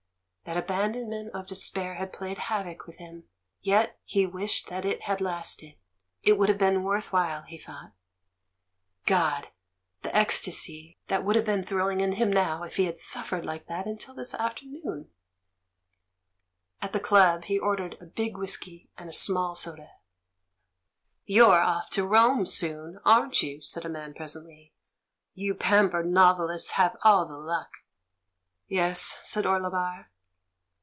That aban donment of despair had played havoc with him, yet he wished that it had lasted — it would have been worth while, he thought. God! the ecstasy that would have been thrilling in him now if he had suffered like that until this afternoon! 250 THE MAN WHO UNDERSTOOD WOMEN At the Club he ordered a "big whisky and a small soda." "You're off to Rome soon, aren't you?" said a man presently. "You pampered novelists have all the luck!"' "Yes," said Orlebar.